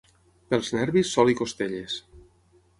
Pels nervis, sol i costelles.